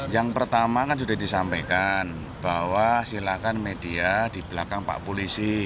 yang pertama kan sudah disampaikan bahwa silakan media di belakang pak polisi